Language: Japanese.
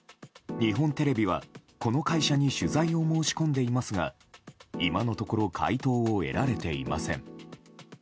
日本テレビは、この会社に取材を申し込んでいますが今のところ回答を得られていません。